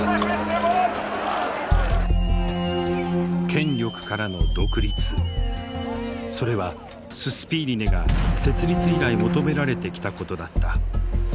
権力からの独立それはススピーリネが設立以来求められてきたことだった。